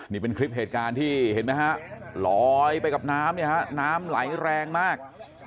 นี่เป็นคลิปเหตุการณ์ที่เห็นไหมฮะลอยไปกับน้ำเนี่ยฮะน้ำไหลแรงมาก